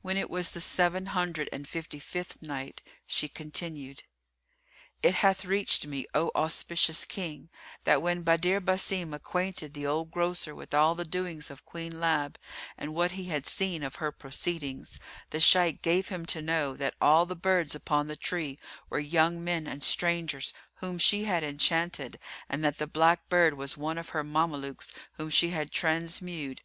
When it was the Seven Hundred and Fifty fifth Night, She continued, It hath reached me, O auspicious King, that when Badr Basim acquainted the old grocer with all the doings of Queen Lab and what he had seen of her proceedings, the Shaykh gave him to know that all the birds upon the tree were young men and strangers whom she had enchanted, and that the black bird was one of her Mamelukes whom she had transmewed.